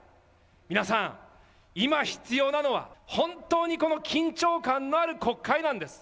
皆さん、今必要なのは本当にこの緊張感のある国会なんです。